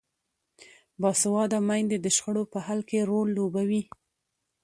باسواده میندې د شخړو په حل کې رول لوبوي.